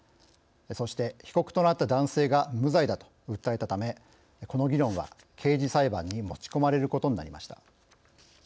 そして被告となった男性が無罪だと訴えたためこの議論は刑事裁判に持ち込まれることになりました。